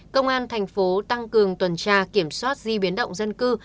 công an thành phố tăng cường tuần tra kiểm soát di biến động dân cư